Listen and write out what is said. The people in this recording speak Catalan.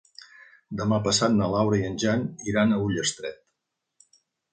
Demà passat na Laura i en Jan iran a Ullastret.